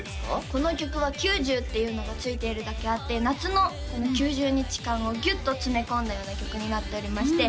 この曲は「９０」っていうのが付いているだけあって夏のこの９０日間をギュッと詰め込んだような曲になっておりまして